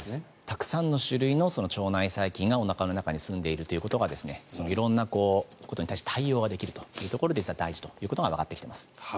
たくさんの種類の腸内細菌がおなかの中にすんでいるということが色んなことに対応できるということで実は大事ということがわかってきています。